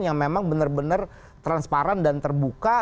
yang memang benar benar transparan dan terbuka